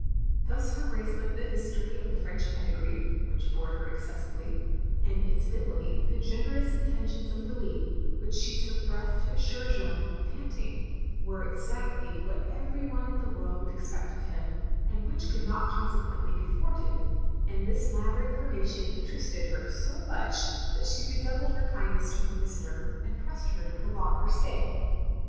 Thus her Grace learnt the history of the French pedigree (which bored her excessively), and incidentally, the generous intentions of Louis; which she took breath to assure Jeanne (panting) were exactly what every one in the world would expect of him, and which cotdd not consequently be thwarted; and this latter information inter ested her so much that she redoubled her kindness to her visitor, and pressed her to prolong her stay.